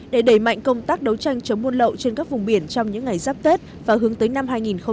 để đẩy mạnh công tác đấu tranh chống buôn lậu trên các vùng biển trong những ngày giáp tết và hướng tới năm hai nghìn một mươi bảy